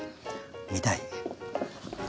見たい？